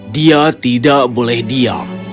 dia tidak boleh diam